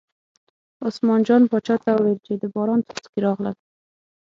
عثمان جان باچا وویل چې د باران څاڅکي راغلل.